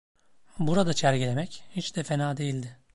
Burada çergilemek hiç de fena değildi.